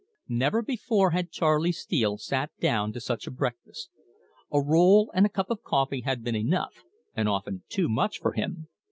Never before had Charley Steele sat down to such a breakfast. A roll and a cup of coffee had been enough, and often too much, for him.